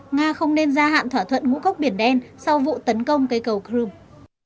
nga không nên gia hạn thỏa thuận ngũ cốc biển đen sau vụ tấn công cây cầu crimea